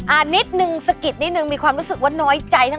นิดนึงสะกิดนิดนึงมีความรู้สึกว่าน้อยใจทั้ง